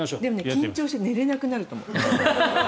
緊張して寝れなくなると思う。